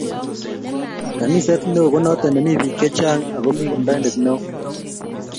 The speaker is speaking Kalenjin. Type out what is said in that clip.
Kaniset neo konoto ne mi biik chechang ako mi amndaindet neo